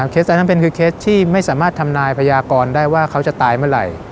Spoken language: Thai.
อันนั้นเป็นคือเคสที่ไม่สามารถทำนายพยากรได้ว่าเขาจะตายเมื่อไหร่